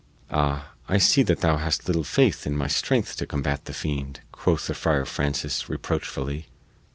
"Ah, I see that thou hast little faith in my strength to combat the fiend," quoth the Friar Francis reproachfully.